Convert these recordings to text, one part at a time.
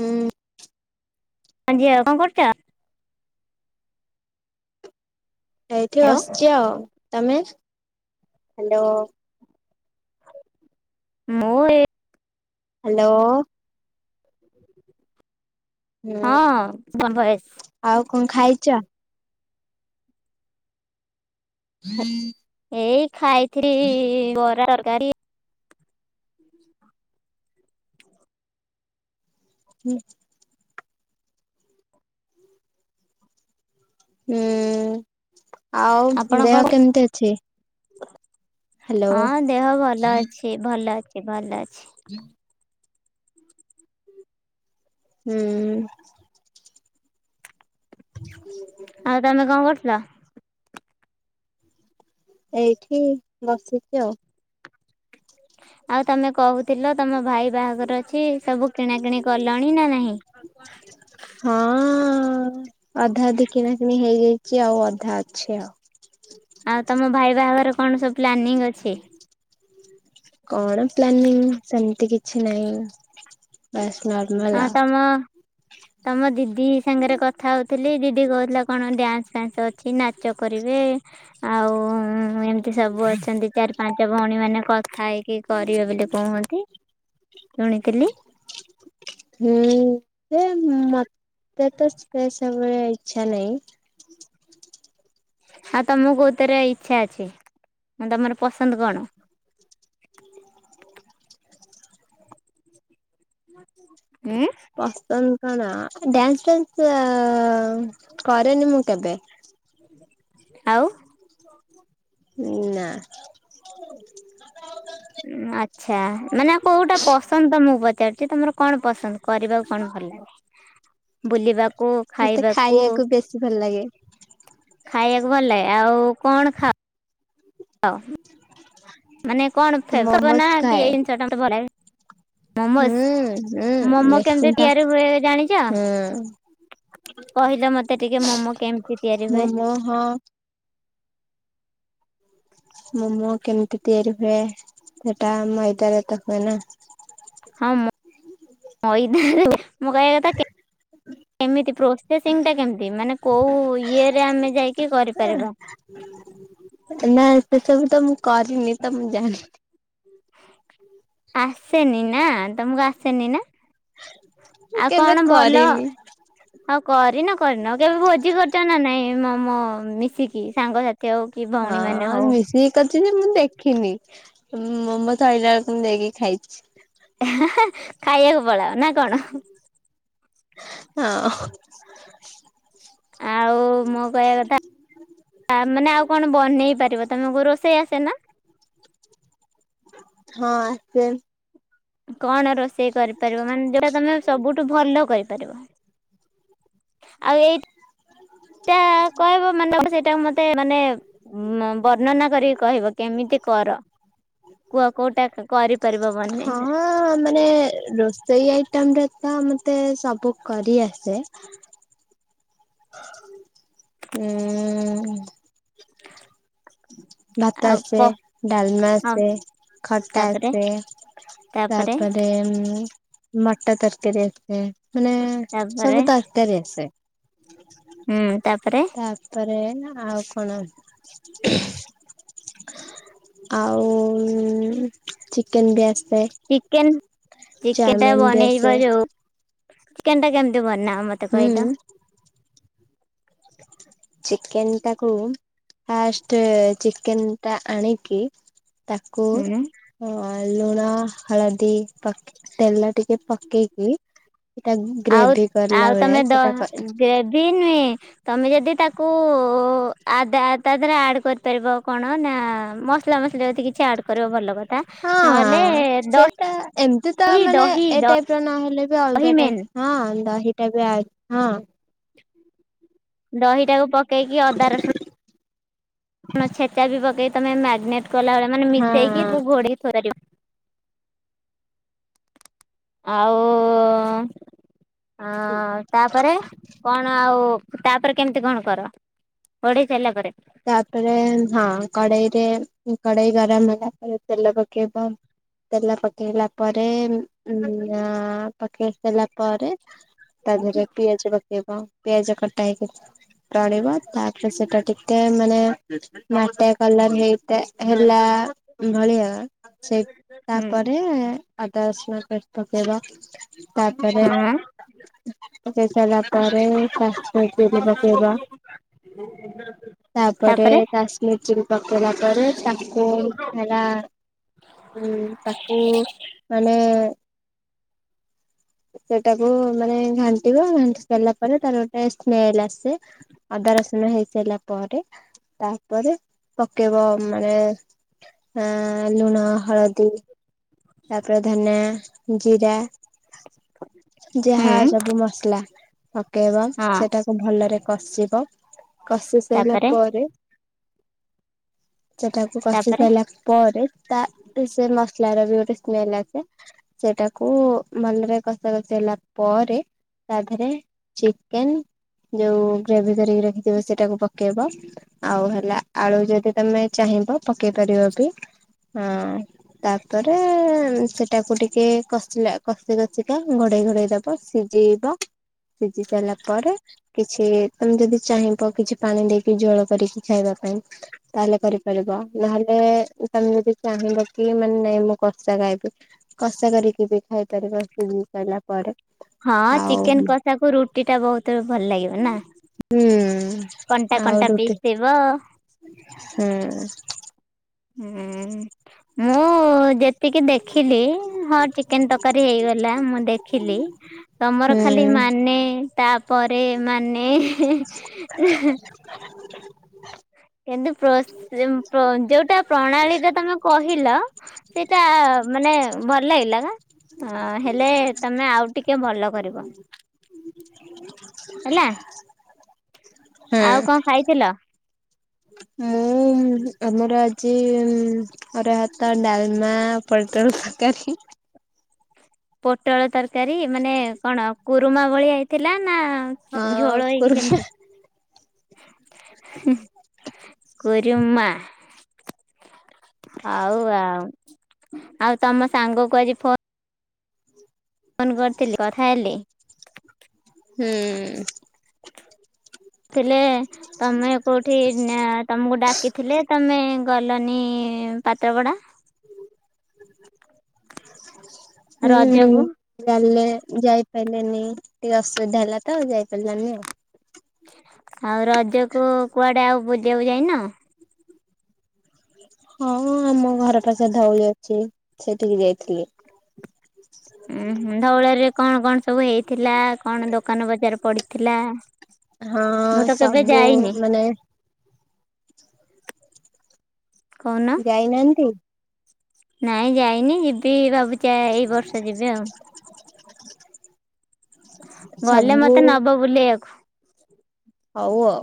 ହୁଁ। [unintelligible] କଣ କରୁଚ? ଏଇଠି ହ୍ୟାଲୋ ବସିଚି ଆଉ ତମେ ହାଲୋ। ମୁଁ ଏ ହାଲୋ। ହଁ ହୁଁ [unintelligible] ଆଉ କଣ ଖାଇଛ? [inaudible] ଏଇ ଖାଇଥି ବରା ତରକାରୀ [inaudible] ହୁଁ। ହୁଁ ଆଉ ଆପଣଙ୍କର ଦେହ କେମିତି ଅଛି? ହ୍ୟାଲୋ ହଁ ଦେହ ଭଲ ଅଛି ଭଲ ଅଛି ଭଲ ଅଛି। [unintelligible] ହୁଁ। ଆଉ [unintelligible] ତମେ କଣ କରୁଥିଲ? ଏଇଠି ବସିଛି ଆଉ। ଆଉ ତମେ କହୁଥିଲ ତମ ଭାଇ ବାହାଘର ଅଛି ସବୁ କିଣାକିଣି କଲଣି ନା ନାହିଁ? ହଁ ଅଧା ଅଧୀ କିଣା କିଣି ହେଇଯାଇଛି ଆଉ ଅଧା ଅଛି ଆଉ। ଆଉ ତମ ଭାଇ ବାହାଘର କଣ ସବୁ ପ୍ଲାନିଂ ଅଛି? କଣ ପ୍ଲାନିଂ ସେମିତି କିଛି ନାହିଁ। ବାସ ନ ହଁ ତମ ତମ ଦିଦି ସାଙ୍ଗରେ କଥା ହଉଥିଲି ଦିଦି କହୁଥିଲା କଣ ଡ୍ୟାନ୍ସ ଫ୍ୟାନ୍ସ ଅଛି ନାଚ କରିବେ ଆଉ ଏମିତି ସବୁ ଅଛନ୍ତି ଚାରି ପାଞ୍ଚ ଭଉଣୀ ମାନେ କଥା ହେଇକି କରିବେ ବୋଲି କହନ୍ତି ଶୁଣିଥିଲି। ହୁଁ ସେ ମତେ ତ ସେ ସବୁବେଳେ ଇଚ୍ଛା ନାହିଁ। ହଁ ତମକୁ କୋଉଥିରେ ଇଚ୍ଛା ଅଛି ମ ତମର ପସନ୍ଦ କଣ? ଉଁ? ପସନ୍ଦ କଣ ଡ୍ୟାନ୍ସ ଫାନ୍ସ କରେନି ମୁଁ କେବେ ଆଉ? ନା। ଆଚ୍ଛା ମାନେ କୋଉଟା ପସନ୍ଦ ତ ମୁଁ ପଚାରୁଛି ତମର କଣ ପସନ୍ଦ? କରିବାକୁ କଣ ଭଲ ଲାଗେ? ବୁଲିବାକୁ ମତେ ଖାଇବାକୁ? ବେଶୀ ଭଲ ଲାଗେ ଖାଇବାକୁ ଭଲ ଲାଗେ ଆଉ କଣ ଖାଅ? ହଉ ମାନେ କଣ ହେବ ମୋମୋସ୍ ନା କି ଖାଏ। ଏଇ ଜିନିଷଟା ମତେ ଭଲ ଲା ମୋମୋସ୍ ହୁଁ ହୁଁ ମୋମୋ କେମିତି ନିଶ୍ଚିନ୍ତ ତିଆରି ହୁଏ ଜାଣିଛ? ହୁଁ କହିଲେ ମତେ ଟିକେ ମୋମୋ କେମିତି ତିଆରି ହୁଏ? ଓହୋ। ମୋମୋ କେମିତି ତିଆରି ହୁଏ ସେଟା ମଇଦାରେ ତ ହୁଏ ନା ହଁ ମ ମଇଦାରେ ମୁଁ କହିବାକଥା କେ କେମିତି ପ୍ରୋସେସିଂଟା କେମିତି ମାନେ କୋଉ ଇଏ [unintelligible] ନା ସେ ସବୁ ତ ମୁଁ କରିନି ତ ମୁଁ ଜାଣିନି। ଆସେନି ନା? ତମକୁ ଆସେନି ନା ଆଉ କେବେ କଣ ଭଲ? କରିନି। ହଉ କରିନ କରିନ କେବେ ଭୋଜି କରିଛ ନା ନାଇଁ ମମୋ ମିଶିକି ସାଙ୍ଗସାଥି ଆଉ ହଁ ମିଶିକି କରିଛି ଯେ ମୁଁ ଦେଖିନି ମୋମୋ ତ ଆଇଲା ବେଳକୁ ମୁଁ ଦେଇକି ଖାଇଛି। ଖାଇବାକୁ ପଳାଅ ନା କଣ? ହଁ। ଆଉ ମୋ କହିବା କଥା ଆ ମାନେ ଆଉ କଣ ବନେଇ ପାରିବ ତମକୁ ରୋଷେଇ ଆସେ ନା? ହଁ ଆସେ। କଣ ରୋଷେଇ କରିପାରିବ ମାନେ ଯୋଉଟା ତମେ ସବୁଠୁ ଭଲ କରିପାରିବ। ଆଉ ଏଇ-ଟା କହିବ ମାନେ [inaudible] ସେଇଟା ମତେ ମାନେ ଉମ ବର୍ଣ୍ଣନା କରିକି କହିବ କେମିତି କର କୁହ କୋଉଟା କା କରିପାରିବା? ହଁ ମାନେ ରୋଷ୍ ସେଇ ଆଇଟମରେ ତ ମତେ ସବୁ କରି ଆସେ। ମୁଁ ଉଁ [inaudible] ଭାତ ଆଉ ଆସେ, କ ଡାଲମା ହଁ ଆସେ, ଖଟା ତାପରେ ଆସେ। ତାପରେ ଉଁ ମଟର ତରକାରୀ ଆସେ ମାନେ ତାପରେ ସବୁ ତରକାରୀ ଆସେ। ହୁଁ ତାପରେ? ତାପରେ ଆଉ ନା ଆଉ କଣ ଆଉ ଚିକେନ ବି ଆସେ। ଚିକେନ ଚିକେନଟା ଚାଉମିନ ବି ବନେଇବା ଆସେ ଯୋଉ ଚିକେନଟା କେମିତି ବନାଅ ମତେ ହୁଁ କହିଲ। ଚିକେନଟାକୁ ଫାଷ୍ଟେ ଚିକେନ୍ ଟା ଆଣିକି ତାକୁ ହୁଁ। ହଁ ଲୁଣ, ହଳଦୀ, ପକେ ତେଲ ଟିକେ ପକେଇକି ସେଟାକୁ ଆଉ ଆଉ ତମେ ଦ ଗ୍ରେଭି ନୁହେଁ ତମେ ଯଦି ତାକୁ ଆ-ଦା ତା ଦେହରେ ଆଡ କରିପାରିବ କଣ ନା ମସ୍ ମସଲା ମସଲି ଯଦି କିଛି ଆଡ କରିବ ଭଲ କଥା ନହେଲେ ଦହ୍ ଏଟା ଏମତି ତ ମାନେ ଏ ଟାଇପର ନହେଲେ ବି ଦହି ଅଲଗା ମେନ୍ ଟାଇପ ହଁ ଦହିଟା ବି ଆଡ୍ ହଁ। ଦହିଟାକୁ ପକେଇକି ଅଦା, ରସୁ ଣ ଛେଚା ବି ପକେଇ ତମେ ମାରିନେଟ୍ କଲାବେଳେ ମାନେ ହଁ ମିଶେଇକି ତାକୁ ଘୋଡ଼େଇ ଥୋଇପାରିବ। ଆଉ ଅଁ ତାପରେ କଣ ଆଉ ତାପରେ କେମିତି କଣ କର ଘୋଡେଇ ସାରିଲା ପରେ? ତାପରେ ହଁ କଡେଇରେ କଡେଇ ଗରମ ହେଲା ପରେ ତେଲ ପକେଇବ। ତେଲ ପକେଇଲା ପରେ ଉଁ ଆ ପକେଇ ତାତିଲା ପରେ ତା ଦେହରେ ପିଆଜ ପକେଇବ। ପିଆଜ କଟା ହେଇକି ପଡିବ ତାପରେ ସେଟା ଟିକେ ମାନେ ମାଟିଆ କଲର ହେଇଥାଏ ହେଲା ଭଳିଆ ସେଇ ହୁଁ ତାପରେ ଅଦା ରସୁଣ ପେଷ୍ଟ ପକେଇବ। ତାପରେ ହଁ ପକେଇସାରିଲା ପରେ ହେଇ କାଶ୍ମିର ଚିଲି ପକେଇବ। ହ ବନ୍ଦର [inaudible] ତାପରେ କାଶ୍ମିର ଚିଲି ପକେଇଲା ପରେ ତାକୁ ହେଲା ହୁଁ ତାକୁ ମାନେ [inaudible] ସେଟାକୁ ମାନେ ଘାଣ୍ଟିବ ଘାଣ୍ଟି ସାରିଲା ପରେ ତାର ଗୋଟେ ସ୍ମେଲ ଆସେ। ଅଦା ରସୁଣ ହେଇସାରିଲା ପରେ ତାପରେ ପକେଇବ ଆମର ଆ ଲୁଣ, ହଳଦୀ। ତାପରେ ଧନିଆ, ଜିରା ହୁଁ ଯାହା ସବୁ ମସଲା। ପକେଇବା ହଁ ସେଟାକୁ ଭଲରେ କଷିବ କଷି ସାଇଲା ତାପରେ ପରେ ସେଟାକୁ କଷି ତାପରେ ସାଇଲା ପରେ ତା ଏଇ ସେ ମସଲାର ବି ଗୋଟେ ସ୍ମେଲ ଆସେ। ସେଟାକୁ ଭଲରେ କଷା କଷି ହେଲା ପରେ ତା ଦେହରେ ଚିକେନ ଯୋଉ ଗ୍ରେଭି କରିକି ରଖିଥିବ ସେଟାକୁ ପକେଇବ। ଆଉ ହେଲା ଆଳୁ ଯଦି ତମେ ଚାହିଁବ ପକେଇ ପାରିବ ବି ହଁ ତାପରେ ସେଟାକୁ ଟିକେ କଷିଲା କଷି କଷିକା ଘୋଡେଇ ଘୋଡେଇ ଦବ ସିଝେଇବ ସିଝି ସାରିଲା ପରେ କିଛି ତମେ ଯଦି ଚାହିଁବ କିଛି ପାଣି ଦେଇକି ଝୋଳ କରିକି ଖାଇବା ପାଇଁ। ତାହେଲେ କରିପାରିବ ନହେଲେ ତମେ ଯଦି ଚାହିଁବ କି ମାନେ ମୁଁ କଷା ଖାଇବି କଷା କରିକି ବି ଖାଇପାରିବ ସେ ହଁ ଚିକେନ କଷାକୁ ରୁଟି ଟା ବହୁତ ଭଲ ଲାଗିବ ନା? ହୁଁ କଣ୍ଟା କଣ୍ଟା ପିସ୍ ଥିବ ହୁଁଉ। ହୁଁ ଉଁ ମୁଁ ହଁ ଯେତିକି ଦେଖିଲି ହଁ ଚିକେନ ତରକାରୀ ହେଇଗଲା ମୁଁ ଦେଖିଲି ତମର ହୁଁ ଖାଲି ମାନେ ତାପରେ ମାନେ ହେଁ ହେଁ ଉଁ ହେଁଏ କିନ୍ତୁ ପ୍ରୋସ ପ୍ରୋ ଯୋଉଟା ପ୍ରଣାଳୀ ରେ ତମେ କହିଲ ସେଇଟା ମାନେ ଭଲ ଲାଗିଲା ନା? ହଁ ହେଲେ ତମେ ଆଉ ଟିକେ ଭଲ କରିବ। ହେଲା। ଆଉ କଣ ଖାଇଥିଲ? ହୁଁ। ମୁଁ ଆମର ଆଜି ଉଁ ଅରୁଆ ଭାତ ଡାଲମା ପୋଟଳ ତରକାରୀ। ପୋଟଳ ତରକାରୀ ମାନେ କଣ କୁରୁମା ଭଳିଆ ହେଇଥିଲା ନା ଆଉ ଝୋଳ ହେଇକି କୁରୁମା ଯେମିତି? କୁରୁମା। ହଉ ଆଉ, ଆଉ ତମ ସାଙ୍ଗକୁ ଆଜି ଫୋ ଫୋନ୍ କରିଥିଲି କଥା ହେଲି। ହୁଁଉଁ। କହିଲେ ତମେ କୋଉଠେ ତମକୁ ଡାକିଥିଲେ ତମେ ଗଲନି ଇ ପାତ୍ରପଡ଼ା? ହୁଁ। ରଜକୁ ଜାଣିଲେ ଯାଇପାଇଲିନି ଟିକେ ଅସୁବିଧା ହେଲା ତ ଆଉ ଯାଇପାରିଲାନି ଆଉ। ଆଉ ରଜକୁ କୁଆଡେ ଆଉ ବୁଲିଆକୁ ଯାଇନ? ହଁ ହଁ ଆମ ଘର ପାଖ ଧଉଳି ଅଛି ସେଇଠିକି ଯାଇଥିଲି। ଉଁ ହୁଁ ଧଉଳି ହରିକା କଣ କଣ ସବୁ ହେଇଥିଲା କଣ ଦୋକାନ ବଜାର ପଡିଥିଲା? ହଁ ସବୁ ମାନେ କଉନ? ଯାଇନାହାନ୍ତି? ନାଇଁ ଯାଇନି ଯିବି ଭାବୁଛିି ଏଇ ବର୍ଷ ଯିବି ଆଉ। ଗଲେ ସବୁ ମତେ ନବ ବୁଲେଇଆକୁ। ହଉ ଆଉ।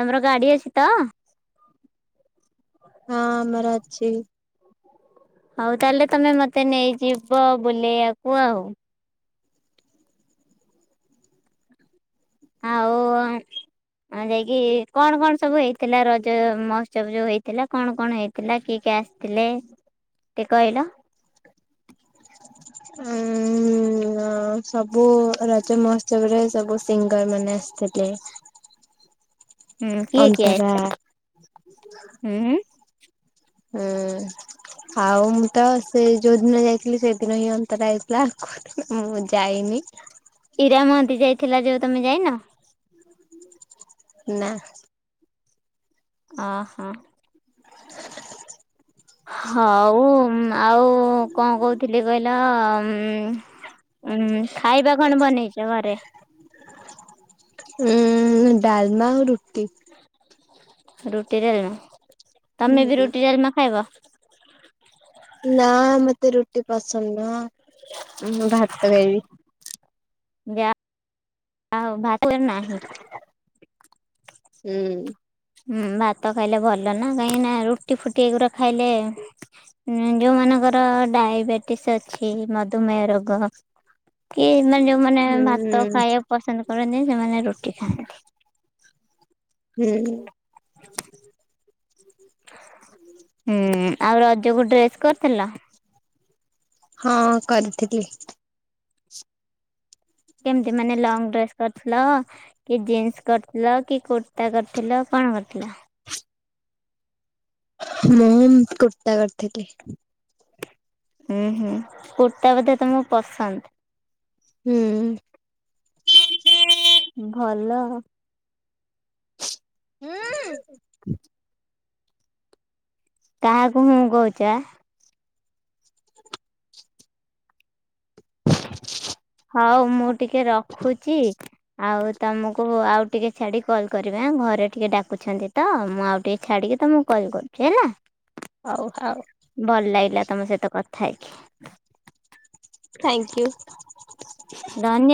ତମର ଗାଡି ଅଛି ତ? ହଁ ଆମର ଅଛି। ହଉ ତାହେଲେ ତମେ ମତେ ନେଇଯିବ ବୁଲେଇଆକୁ ଆଉ। ଆଉ ଆ ହଁ ଯାଇକି କଣ କଣ ସବୁ ହେଇଥିଲା ରଜ ମହୋତ୍ସବ ଯଉ ହେଇଥିଲା କଣ କଣ ହେଇ ଥିଲା କିଏ କିଏ ଆସିଥିଲେ ଟିକେ କହିଲ? ହଁ ସବୁ ରଜ ମହୋତ୍ସବରେ ସବୁ ସିଙ୍ଗର ମାନେ ଆସିଥିଲେ। ହୁଁ କିଏ କିଏ ଅନ୍ତରା ଆସିଥିଲେ ହୁଁଉ। ହୁଁ ଆଉ ମୁଁ ତ ସେ ଯୋଉଦିନ ଯାଇଥିଲି ସେଇଦିନ ହିଁ ଅନ୍ତରା ଆଇଥିଲା। ମୁଁ ଯାଇନି ଇରା ମହାନ୍ତି ଯାଇଥିଲା ଯୋଉ ତମେ ଯାଇନ? ନା ଅହଁ। ହଉ ଆଉ କଣ କହୁଥିଲି କହିଲ ଉଁ ଉଁ ଖାଇବା କଣ ବନେଇଛ ଘରେ? ଉଁ ଡାଲମା ଆଉ ରୁଟି। ରୁଟି ଡ଼ାଲମା, ତମେ ବି ହୁଁ। ରୁଟି ଡାଲମା ଖାଇବ? ନା ମତେ ରୁଟି ପସନ୍ଦ ନୁହଁ, ମୁଁ ଭାତ ଖାଇବି। ବା ଆଉ [unintelligible] ନାହିଁ। ହୁଁ ଉଁ। ହୁଁ, ଭାତ ଖାଇଲେ ଭଲ ନା, କାହିଁକି ନା ରୁଟି ଫୁଟି ଏଗୁରା ଖାଇଲେ? ଯୋଉମାନଙ୍କର ଡାଇବେଟିସ୍ ଅଛି ମଧୁମେହ ରୋଗ କି ସେମାନେ ଯୋଉମାନେ ଭାତ ହୁଁ ଖାଇବାକୁ ପସନ୍ଦ କରନ୍ତି, ସେମାନେ ରୁଟି ଖାଆନ୍ତି। ହୁଁ ଉଁ। [inaudible] ହୁଁ ଆଉ ରଜକୁ ଡ୍ରେସ୍ କରିଥିଲ? ହଁ କରିଥିଲି। କେମତି ମାନେ ଲଙ୍ଗ ଡ୍ରେସ୍? କରିଥିଲ କି ଜିନ୍ସ କରିଥିଲ, କି କୁର୍ତ୍ତା କରିଥିଲ, କଣ କରିଥିଲ? ମୁଁ କୁର୍ତ୍ତା କରିଥିଲି। ହୁଁ ହୁଁ, କୁର୍ତ୍ତା ବୋଧେ ତମକୁ ପସନ୍ଦ? ହୁଁ ଉଁ। ଭଲ। ହୁଁ ତାହାକୁ ହୁଁ କଉଛ? [inaudible] ହଉ ମୁଁ ଟିକେ ରଖୁଛି। ଆଉ ତମକୁ ଆଉ ଟିକେ ଛାଡି କଲ୍ କରିଵି ଆଁ, ଘରେ ଟିକେ ଡାକୁଛନ୍ତି ତ, ମୁଁ ଆଉ ଟିକେ ଛାଡିକି ତମକୁ କଲ୍ କରୁଛି ହେଲା। ହଉ ହଉ। ଡଲ ଲାଗିଲା ତମ ସହିତ କଥା ହେଇକି? Thank you. ଧନ୍ୟ